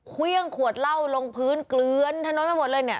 เครื่องขวดล่าวลงพื้นเกลื้นถานดทั้งหมดเลยเนี่ย